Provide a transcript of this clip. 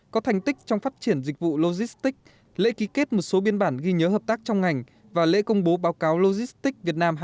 có thành tích trong phát triển dịch vụ logistics lễ ký kết một số biên bản ghi nhớ hợp tác trong ngành và lễ công bố báo cáo logistics việt nam hai nghìn hai mươi